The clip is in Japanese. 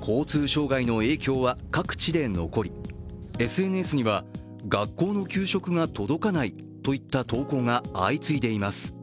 交通障害の影響は各地で残り、ＳＮＳには学校の給食が届かないといった投稿が相次いでいます。